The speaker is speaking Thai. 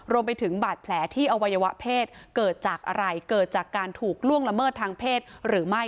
รวมไปถึงบาดแผลที่อวัยวะเพศเกิดจากอะไรเกิดจากการถูกล่วงละเมิดทางเพศหรือไม่